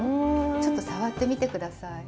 ちょっと触ってみて下さい。